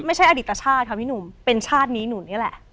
อดีตชาติค่ะพี่หนุ่มเป็นชาตินี้หนูนี่แหละ